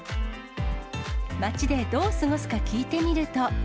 街でどう過ごすか聞いてみると。